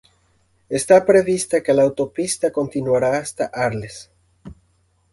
Está prevista que la autopista continuara hasta Arles.